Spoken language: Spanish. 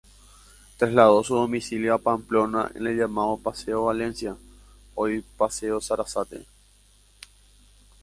Trasladó su domicilio a Pamplona en el llamado Paseo Valencia, hoy Paseo Sarasate.